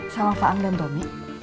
sama faang dan domi